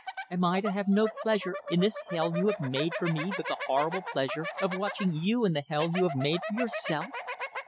Am I to have no pleasure in this hell you have made for me but the horrible pleasure of watching you in the hell you have made for yourself?